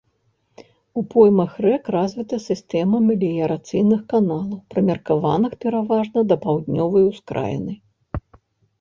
У поймах рэк развіта сістэма меліярацыйных каналаў, прымеркаваных пераважна да паўднёвай ускраіны.